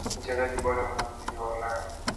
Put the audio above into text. Mchezaji bora mara mbili wa Ulaya